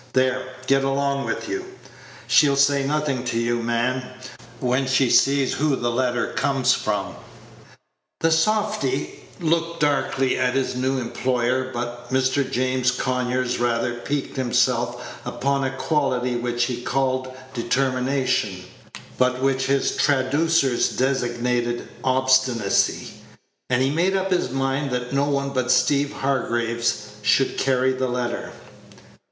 There, get along with you. She'll say nothing to you, man, when she sees who the letter comes from." The softy looked darkly at his new employer; but Mr. James Conyers rather piqued himself upon a quality which he called determination, but which his traducers designated obstinacy, and he made up his mind that no one but Steeve Hargraves should carry the letter.